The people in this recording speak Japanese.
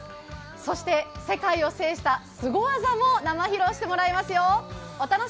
そして、世界を制したすご技も生披露してもらいますよ。